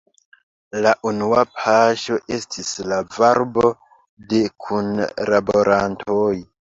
La unua paŝo estis la varbo de kunlaborantoj.